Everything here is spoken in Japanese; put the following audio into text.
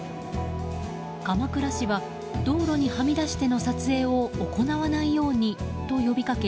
鎌倉市は道路に、はみ出しての撮影を行わないようにと呼びかけ